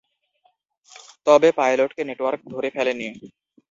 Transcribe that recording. তবে পাইলটকে নেটওয়ার্ক ধরে ফেলেনি।